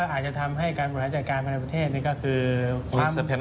อาจจะทำให้การประหลาดจัดการประเทศก็คือ